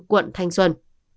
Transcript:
quận thanh xuân